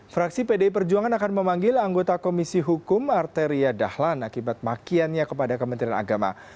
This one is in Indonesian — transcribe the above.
fraksi pdi perjuangan akan memanggil anggota komisi hukum arteria dahlan akibat makiannya kepada kementerian agama